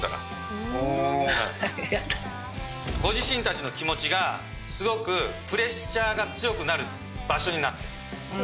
ご自身たちの気持ちがすごくプレッシャーが強くなる場所になってる。